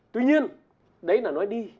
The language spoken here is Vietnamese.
tuy nhiên đấy là nói đi